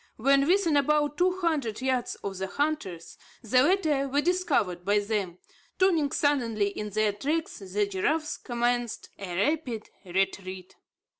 When within about two hundred yards of the hunters, the latter were discovered by them. Turning suddenly in their tracks, the giraffes commenced a rapid retreat.